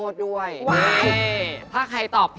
จริง